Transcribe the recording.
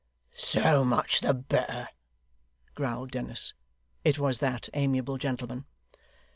'So much the better,' growled Dennis it was that amiable gentleman.